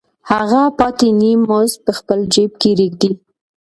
هغه پاتې نیم مزد په خپل جېب کې ږدي